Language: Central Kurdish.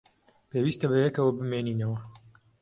پێویستە بەیەکەوە بمێنینەوە.